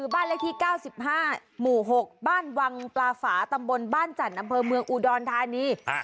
บ้านเลขที่๙๕หมู่๖บ้านวังปลาฝาตำบลบ้านจันทร์อำเภอเมืองอุดรธานี